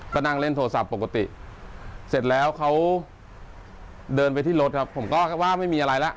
ก็นั่งเล่นโทรศัพท์ปกติเสร็จแล้วเขาเดินไปที่รถครับผมก็ว่าไม่มีอะไรแล้ว